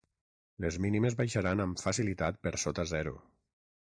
Les mínimes baixaran amb facilitat per sota zero.